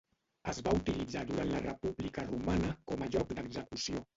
Es va utilitzar durant la República Romana com a lloc d'execució.